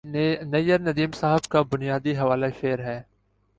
نیّرندیم صاحب کا بنیادی حوالہ شعر ہے